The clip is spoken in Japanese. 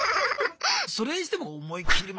それにしても思い切りましたね。